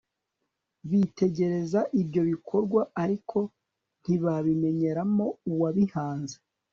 bitegereza ibyo bikorwa, ariko ntibabimenyeramo uwabihanze